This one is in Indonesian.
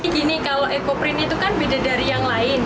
gini kalau ekoprint itu kan beda dari yang lain